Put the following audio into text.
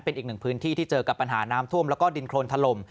เป็นอีกหนึ่งพื้นที่ที่เจอกับปัญหาน้ำท่วมแล้วก็ดินโครนถล่ม